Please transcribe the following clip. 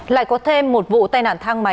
lại có thêm một vụ tai nạn thang máy